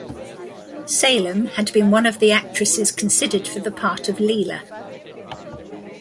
Salem had been one of the actresses considered for the part of Leela.